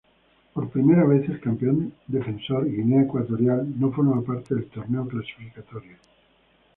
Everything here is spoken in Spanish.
Por primera vez el campeón defensor, Guinea Ecuatorial, no forma parte del torneo clasificatorio.